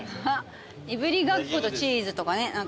いぶりがっことチーズとかね。